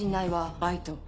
バイト？